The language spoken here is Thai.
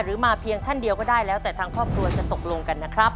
มาเพียงท่านเดียวก็ได้แล้วแต่ทางครอบครัวจะตกลงกันนะครับ